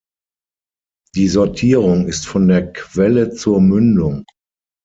Die Sortierung ist von der Quelle zur Mündung.